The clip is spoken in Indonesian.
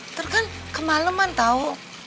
ntar kan kemaleman tau